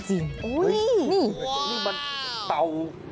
อุ๊ยนี่ว้าวนี่มันเตา